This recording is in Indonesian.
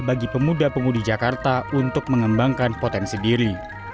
bagi pemuda pemudi jakarta untuk mengembangkan potensi diri